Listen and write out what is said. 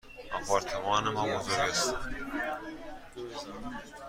آپارتمان ما بزرگ است.